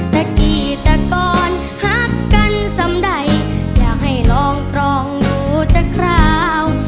สกิตกรฮักกันสำใดอยากให้ลองกรองดูจะคราว